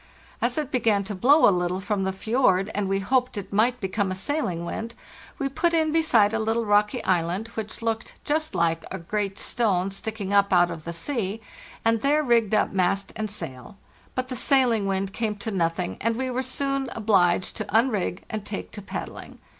As it began to blow a little from the fjord, and we hoped it might become a sailing wind, we put in beside a little rocky island, which looked just like a great stone* sticking up out of the sea, and there rigged up mast and sail. But the sailing wind came to nothing, and we were soon obliged to unrig and take to paddling.